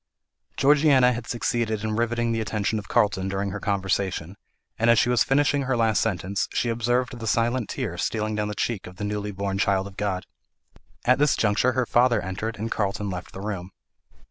Georgiana had succeeded in riveting the attention of Carlton during her conversation, and as she was finishing her last sentence, she observed the silent tear stealing down the cheek of the newly born child of God. At this juncture her father entered, and Carlton left the room.